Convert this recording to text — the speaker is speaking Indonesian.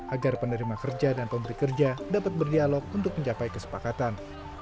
agar penerima kerja dan pemberi kerja dapat berdialog untuk mencapai kesepakatan